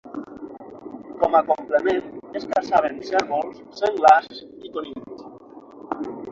Com a complement es caçaven cérvols, senglars i conills.